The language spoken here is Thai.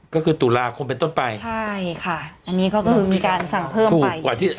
ก็คือตุลาคมเป็นต้นไปใช่ค่ะอันนี้ก็คือมีการสั่งเพิ่มไปกว่าที่